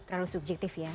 terlalu subjektif ya